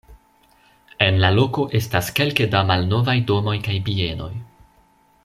En la loko estas kelke da malnovaj domoj kaj bienoj.